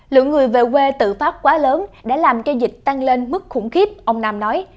lượng người về quê tự phát quá lớn đã làm cho dịch tăng lên mức khủng khiếp ông nam nói